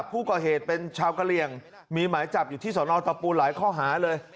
ผู้ก่อเหตุเป็นชาวกะเหลี่ยงมีหมายจับอยู่ที่สนตะปูหลายข้อหาเลย